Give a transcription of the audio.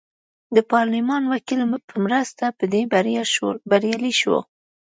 د پارلمان وکیل په مرسته په دې بریالی شو.